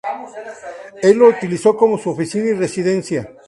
Él lo utilizó como su oficina y residencia.